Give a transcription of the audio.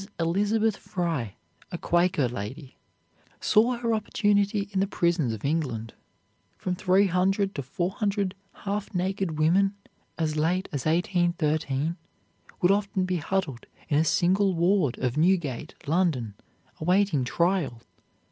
Elizabeth Fry, a Quaker lady, saw her opportunity in the prisons of England. From three hundred to four hundred half naked women, as late as 1813, would often be huddled in a single ward of Newgate, London, awaiting trial.